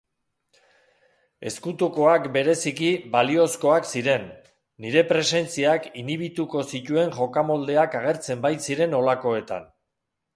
Ezkutukoak bereziki baliozkoak ziren, nire presentziak inhibituko zituen jokamoldeak agertzen baitziren halakoetan.